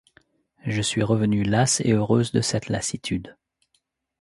Je suis revenue lasse et heureuse de cette lassitude.